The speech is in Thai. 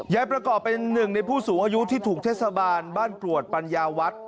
ยายประกอบเป็นหนึ่งในผู้สูงอายุที่ถูกเทศบาลบ้านกรวดปัญญาวัฒน์